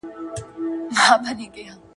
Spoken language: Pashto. د لويي جرګې د پرانیستلو وینا څوک کوي؟